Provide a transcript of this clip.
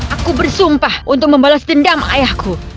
aku bersumpah untuk membalas dendam ayahku